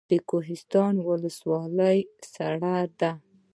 د کوهستان ولسوالۍ سړه ده